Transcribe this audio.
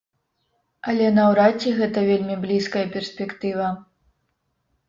Але наўрад ці гэта вельмі блізкая перспектыва.